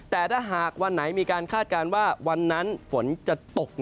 แต่ถ้าหากวันไหนมีการคาดการณ์ว่าวันนั้นฝนจะตก